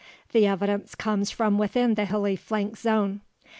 The evidence comes from within the hilly flanks zone.